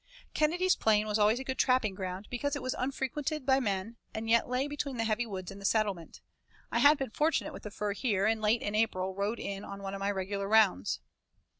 Kennedy's Plain was always a good trapping ground because it was unfrequented by man and yet lay between the heavy woods and the settlement. I had been fortunate with the fur here, and late in April rode in on one of my regular rounds.